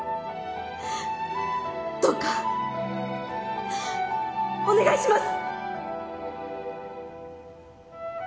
どうかお願いします。